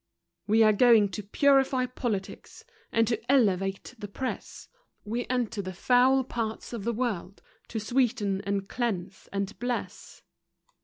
We are going to "purify politics," And to "elevate the press." We enter the foul paths of the world To sweeten and cleanse and bless.